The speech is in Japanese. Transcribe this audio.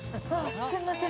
すみません。